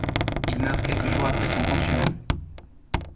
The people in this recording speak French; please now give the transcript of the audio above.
Il meurt quelques jours après son consulat.